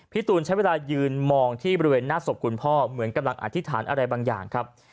ตูนใช้เวลายืนมองที่บริเวณหน้าศพคุณพ่อเหมือนกำลังอธิษฐานอะไรบางอย่างครับ